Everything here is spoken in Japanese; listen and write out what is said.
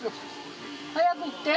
早く行って。